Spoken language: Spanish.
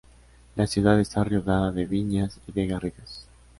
La ciudad está rodeada de viñas y de garrigas.